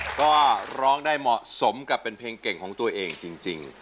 ก็ร้องได้เหมาะสมกับเป็นเพลงเก่งของตัวเองจริง